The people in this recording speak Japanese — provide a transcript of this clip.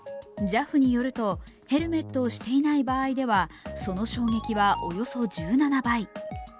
ＪＡＦによるとヘルメットをしていない場合ではその衝撃はおよそ１７倍。